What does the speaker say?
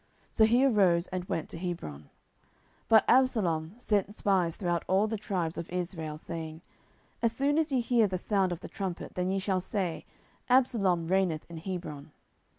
So he arose, and went to Hebron. 10:015:010 But Absalom sent spies throughout all the tribes of Israel, saying, As soon as ye hear the sound of the trumpet, then ye shall say, Absalom reigneth in Hebron.